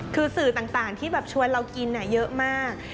คือสื่อต่างที่แบบชวนเรากินเยอะมาก